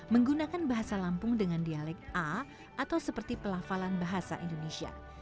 menggunakan bahasa lampung dengan dialek a atau seperti pelafalan bahasa indonesia